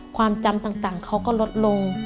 ความจำต่างเขาก็ลดลง